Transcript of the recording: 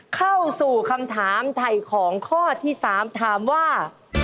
เข้าสู่คำถามไถ่ของข้อที่๓ถามว่า